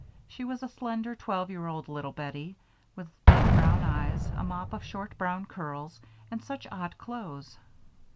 She was a slender twelve year old little Bettie, with big brown eyes, a mop of short brown curls, and such odd clothes.